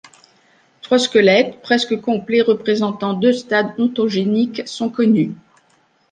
Trois squelettes presque complets représentant deux stades ontogéniques sont connus.